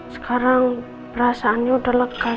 sekarang perasaannya udah lekas